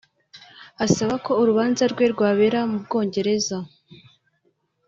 asaba ko urubanza rwe rwabera mu Bwongereza